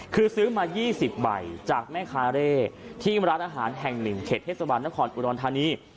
คือซื้อมา๒๐ใบจากแม่ค้าเร่ที่ร้านอาหารแห่ง๑เขตเทศบาลนครอุดรธานี